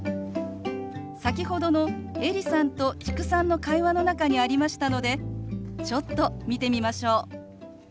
先ほどのエリさんと知久さんの会話の中にありましたのでちょっと見てみましょう。